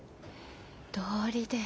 どうりで。